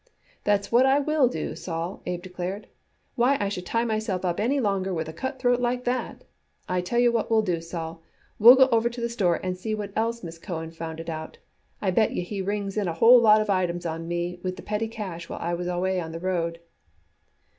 "That's what I will do, Sol," Abe declared. "Why should I tie myself up any longer with a cutthroat like that? I tell you what we'll do, Sol. We'll go over to the store and see what else Miss Cohen found it out. I bet you he rings in a whole lot of items on me with the petty cash while I was away on the road."